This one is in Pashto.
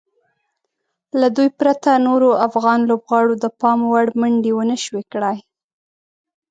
له دوی پرته نورو افغان لوبغاړو د پام وړ منډې ونشوای کړای.